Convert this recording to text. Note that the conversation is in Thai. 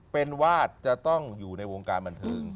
เป็นวาดจะต้องอยู่ในวงการบันเทิง